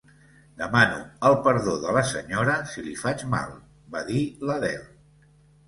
"Demano el perdó de la senyora si li faig mal", va dir l"Adele.